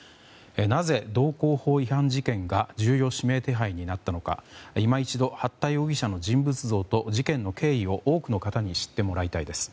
なぜ道路交通法違反事件が重要指名手配になったのか今一度、八田容疑者の人物像と事件の経緯を多くの方に知ってもらいたいです。